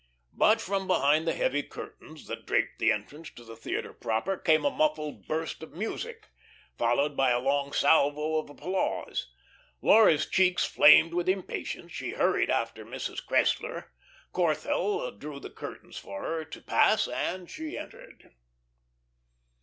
But from behind the heavy curtains that draped the entrance to the theatre proper, came a muffled burst of music, followed by a long salvo of applause. Laura's cheeks flamed with impatience, she hurried after Mrs. Cressler; Corthell drew the curtains for her to pass, and she entered.